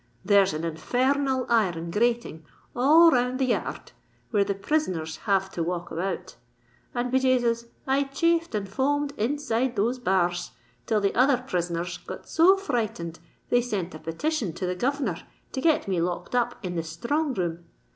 There's an infer r nal iron grating all round the yar rd where the prisoner rs have to walk about; and, be Jasus! I chafed and foamed inside those bar rs, till the other prisoner rs got so frightened they sent a petition to the governor to get me locked up in the sthrong room.